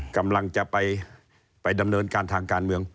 กำลังจะไปดำเนินการทางการเมือง